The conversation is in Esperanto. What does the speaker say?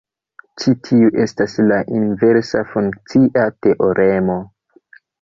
Ĉi tiu estas la inversa funkcia teoremo.